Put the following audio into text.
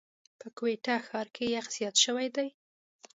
په کوټه ښار کي یخ زیات شوی دی.